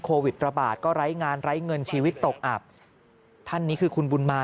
โควิดระบาดก็ไร้งานไร้เงินชีวิตตกอับท่านนี้คือคุณบุญมา